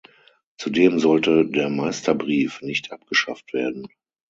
Zudem solle der Meisterbrief nicht abgeschafft werden.